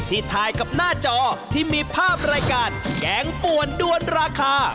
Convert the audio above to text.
ถ่ายกับหน้าจอที่มีภาพรายการแกงป่วนด้วนราคา